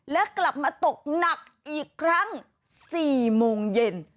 และกลับมาตกหนักอีกครั้ง๔โมงเย็น